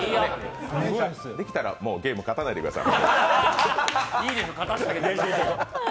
できたらもう、ゲーム勝たないでください。